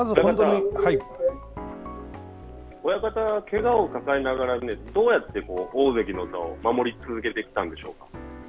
親方、けがを抱えながら、どうやって、大関の座を守り続けてきたんでしょうか。